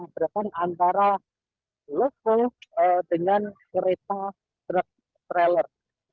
di antara loko dengan kereta truk trailer